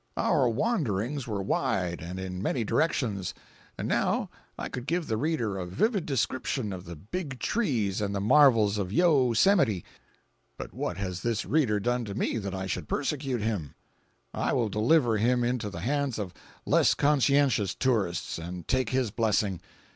Our wanderings were wide and in many directions; and now I could give the reader a vivid description of the Big Trees and the marvels of the Yo Semite—but what has this reader done to me that I should persecute him? I will deliver him into the hands of less conscientious tourists and take his blessing.